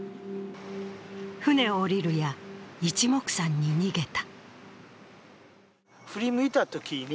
船を降りるや、一目散に逃げた。